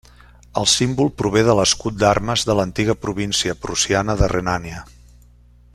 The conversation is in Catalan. El símbol prové de l'escut d'armes de l'antiga província prussiana de Renània.